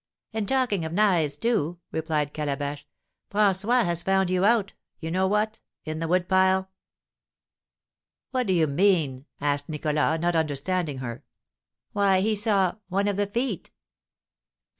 "And talking of knives, too," replied Calabash, "François has found out you know what in the wood pile!" "What do you mean?" asked Nicholas, not understanding her. "Why, he saw one of the feet!"